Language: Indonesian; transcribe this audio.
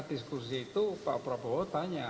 diskusi itu pak prabowo tanya